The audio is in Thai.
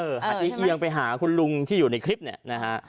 หันเอียงไปหาคุณลุงที่อยู่ในคลิปเนี่ยนะฮะ